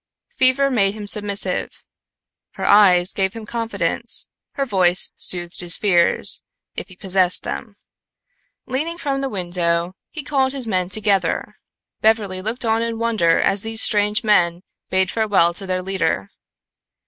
Fever made him submissive; her eyes gave him confidence; her voice soothed his fears, if he possessed them. Leaning from the window, he called his men together. Beverly looked on in wonder as these strange men bade farewell to their leader.